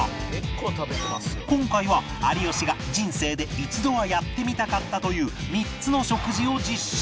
今回は有吉が人生で一度はやってみたかったという３つの食事を実施